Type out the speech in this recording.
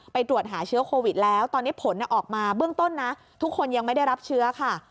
ตรวจหาเชื้อโควิดแล้วตอนนี้ผลออกมาเบื้องต้นนะทุกคนยังไม่ได้รับเชื้อค่ะ